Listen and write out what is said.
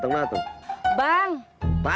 jangan terlalu banyak